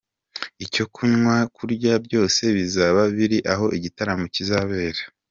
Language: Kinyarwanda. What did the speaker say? Icyo kunywa, kurya, byose bizaba biri aho igitaramo kizabera.